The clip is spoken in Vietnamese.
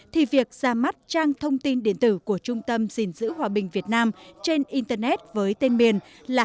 thì việc ra mắt trang thông tin điện tử của trung tâm gìn giữ hòa bình việt nam trên internet với tên miền là